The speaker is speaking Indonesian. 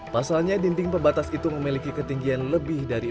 pasalnya dinding pembatas itu memiliki ketinggian lebih dari